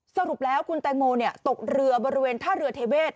สรุปแล้วคุณแตงโมตกเรือบริเวณท่าเรือเทเวศ